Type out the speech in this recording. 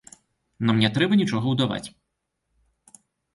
Нам не трэба нічога ўдаваць.